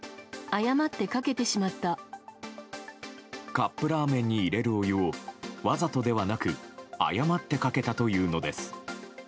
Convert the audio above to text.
カップラーメンに入れるお湯をわざとではなく誤ってかけたというのです。